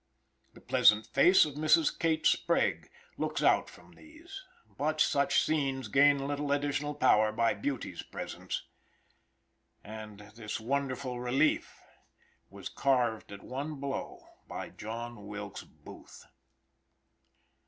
The pleasant face of Mrs. Kate Sprague looks out from these; but such scenes gain little additional power by beauty's presence. And this wonderful relief was carved at one blow by John Wilkes Booth.